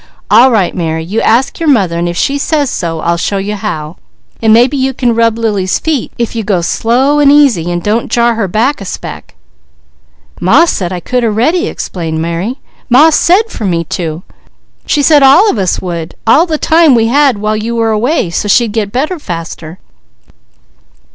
"All right Mary, you ask your mother and if she says so, I'll show you how, and maybe you can rub Lily's feet, if you go slow and easy and don't jar her back a speck." "Ma said I could a ready," explained Mary. "Ma said for me to! She said all of us would, all the time we had while you were away, so she'd get better faster.